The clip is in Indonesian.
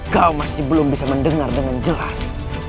kau masih belum bisa mendengar dengan jelas